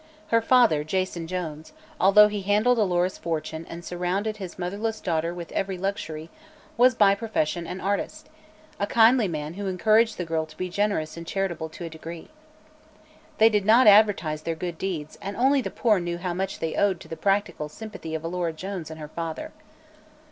Her father, Jason Jones, although he handled Alora's fortune and surrounded his motherless daughter with every luxury, was by profession an artist a kindly man who encouraged the girl to be generous and charitable to a degree. They did not advertise their good deeds and only the poor knew how much they owed to the practical sympathy of Alora Jones and her father.